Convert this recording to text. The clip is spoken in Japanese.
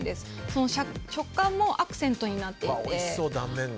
その食感もアクセントになっていて。